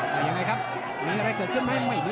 กาดเกมสีแดงเดินแบ่งมูธรุด้วย